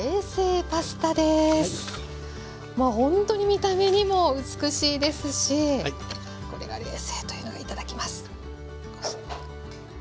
ほんとに見た目にも美しいですしこれが冷製というのがいただきます。